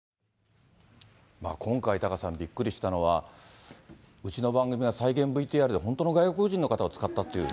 今回、タカさん、びっくりしたのは、うちの番組の再現ＶＴＲで本当の外国人の方を使ったっていう。